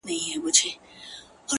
زما د زړه په هغه شين اسمان كي ـ